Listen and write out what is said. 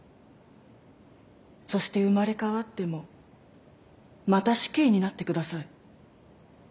そして生まれ変わってもまた死刑になってください。